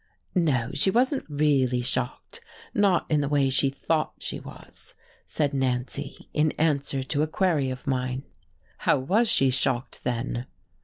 "No, she wasn't really shocked, not in the way she thought she was," said Nancy, in answer to a query of mine. "How was she shocked, then?"